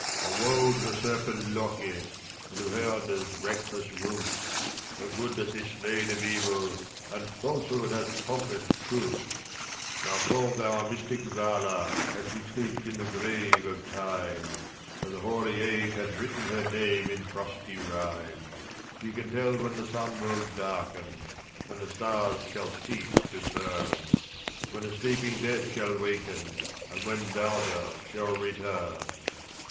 A woe to the serpent Loke, and to Herder s reckless ruth, For Goodness is slain of Evil, and Falsehood b;:th conquered Truth ! Now call thou on mystic Vala, as she sleeps in the grave of Time, Where the hoary age hath written her name in ;. frosty rime ; 11J POEMS FROM THE INNER LIFE. She can tell when the sun will darken, when the stars shall cease to burn, When the sleeping dead shall waken, and when Baldur shall return."